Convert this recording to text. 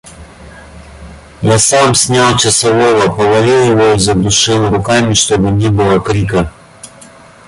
Я сам снял часового: повалил его и задушил руками, чтобы не было крика.